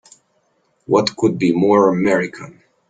What could be more American!